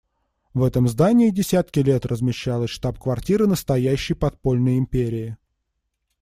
В этом здании десятки лет размещалась штаб-квартира настоящей подпольной империи.